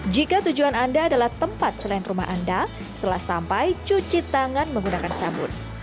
jika tujuan anda adalah tempat selain rumah anda setelah sampai cuci tangan menggunakan sabun